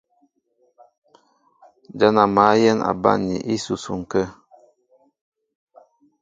Ján a mǎl yɛ̌n a banmni ísusuŋ kə̂.